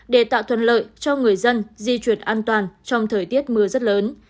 để tạo thuận lợi cho người dân di chuyển an toàn trong thời tiết mưa rất lớn